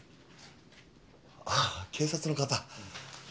あっ警察の方。